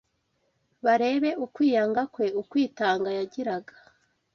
barebe ukwiyanga kwe, ukwitanga yagiraga